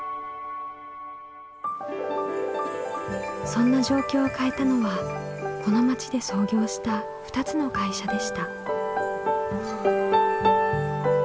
そんな状況を変えたのはこの町で創業した２つの会社でした。